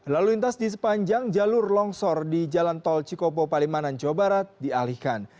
lalu lintas di sepanjang jalur longsor di jalan tol cikopo palimanan jawa barat dialihkan